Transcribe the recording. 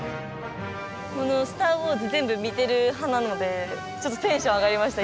「スター・ウォーズ」全部見てる派なのでちょっとテンション上がりました